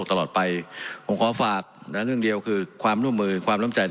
เพราะมันก็มีเท่านี้นะเพราะมันก็มีเท่านี้นะ